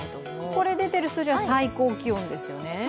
出ている数字は最高気温ですよね。